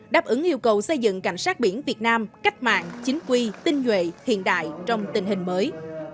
đáp ứng yêu cầu xây dựng cảnh sát biển việt nam cách mạng chính quy tinh nhuệ hiện đại trong tình hình mới